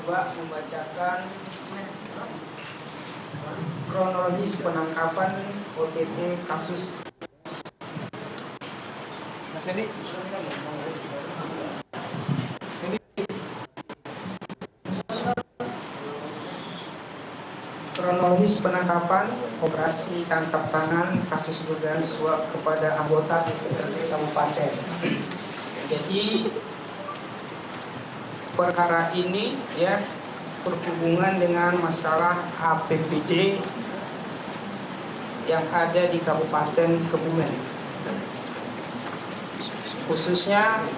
assalamualaikum warahmatullahi wabarakatuh